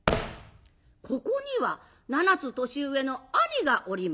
ここには７つ年上の兄がおりました。